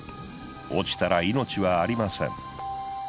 落ちたら命はありません。